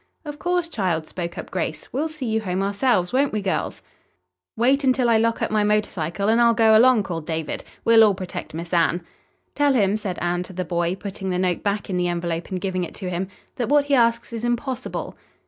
"Of course, child," spoke up Grace. "We'll see you home ourselves. Won't we, girls!" "Wait until I lock up my motor cycle and I'll go along," called David. "We'll all protect Miss Anne." "Tell him," said Anne to the boy, putting the note back in the envelope and giving it to him, "that what he asks is impossible."